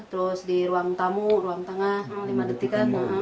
terus di ruang tamu ruang tengah lima detik kan